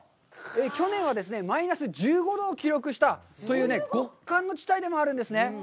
去年はですね、マイナス１５度を記録したという、そういう極寒の地帯でもあるんですね。